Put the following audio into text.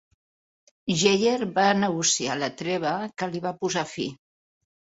Geyer va negociar la treva que li va posar fi.